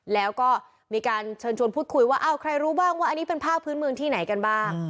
แล้วก็มีการเชิญชวนพูดคุยว่าอ้าวใครรู้บ้างว่าอันนี้เป็นภาคพื้นเมืองที่ไหนกันบ้าง